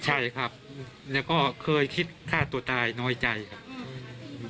ใช่ครับแล้วก็เคยคิดฆ่าตัวตายน้อยใจครับ